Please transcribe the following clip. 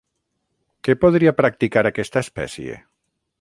Què podria practicar aquesta espècie?